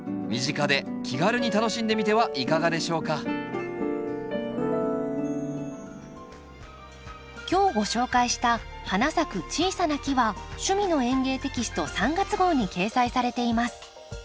身近で気軽に楽しんでみてはいかがでしょうか今日ご紹介した「花咲く小さな木」は「趣味の園芸」テキスト３月号に掲載されています。